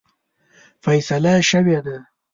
فیصله شوې ده.